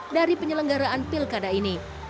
dari penyelenggaraan pilkada ini